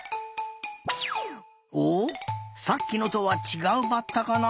おっさっきのとはちがうバッタかな？